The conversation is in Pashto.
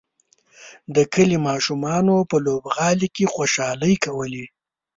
د کلي ماشومانو په لوبغالي کې خوشحالۍ کولې.